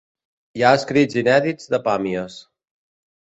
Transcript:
Hi ha escrits inèdits de Pàmies.